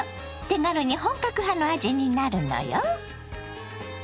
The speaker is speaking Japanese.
手軽に本格派の味になるのよ。